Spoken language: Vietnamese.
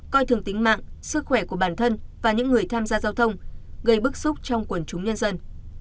coi thường tính mạng sức khỏe của bản thân và những người tham gia giao thông gây bức xúc trong quần chúng nhân dân